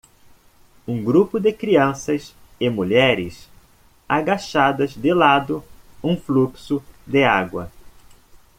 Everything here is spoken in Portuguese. Um grupo de crianças e mulheres agachadas de lado um fluxo de água.